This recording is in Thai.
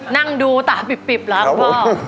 นั่งดูตาปิบละคุณพ่อครับผม